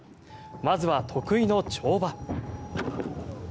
まずは得意の跳馬。